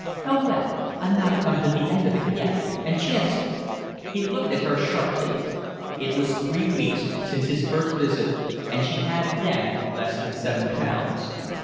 "Oh, well, I've not come to the end of it yet and chance it." He looked at her sharply. It was three weeks since his first visit, and she had then less than seven pounds.